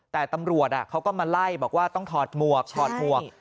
แต่ตำรวจเขาก็มาไล่บอกว่าต้องถอดหมวกถอดหมวก